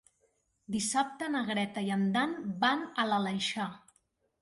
Dissabte na Greta i en Dan van a l'Aleixar.